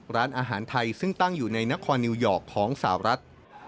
ร้านอาหารไทยซึ่งตั้งอยู่ในนครนิวยอร์กของสาวรัฐ